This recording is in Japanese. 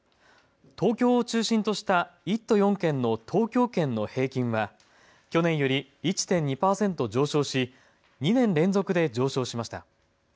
東京を中心とした１都４県の東京圏の平均は去年より１．２％上昇し２年連続で上昇しました。